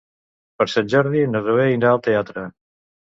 Per Sant Jordi na Zoè irà al teatre.